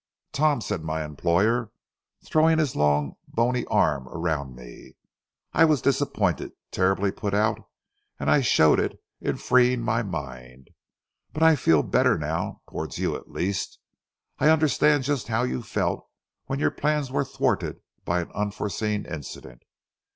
"Tom," said my employer, throwing his long bony arm around me, "I was disappointed, terribly put out, and I showed it in freeing my mind. But I feel better now—towards you, at least. I understand just how you felt when your plans were thwarted by an unforeseen incident.